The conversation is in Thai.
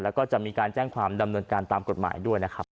แล้วก็จะมีการแจ้งความดำเนินการตามกฎหมายด้วยนะครับ